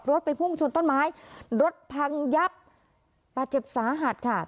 ไปพุ่งชนต้นไม้รถพังยับบาดเจ็บสาหัสค่ะ